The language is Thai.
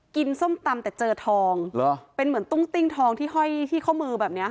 ส้มตำแต่เจอทองเหรอเป็นเหมือนตุ้งติ้งทองที่ห้อยที่ข้อมือแบบนี้ค่ะ